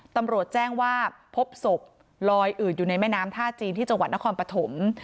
ตำรวจแจ้งว่าพบศพลอยอืดอยู่ในแม่น้ำท่าจีนที่จังหวัดนครปฐม